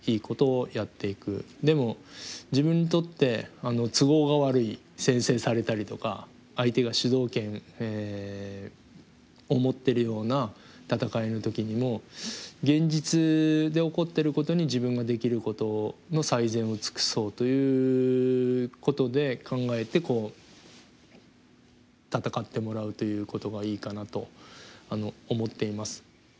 でも自分にとって都合が悪い先制されたりとか相手が主導権を持ってるような戦いの時にも現実で起こってることに自分ができることの最善を尽くそうということで考えて戦ってもらうということがいいかなと思っています。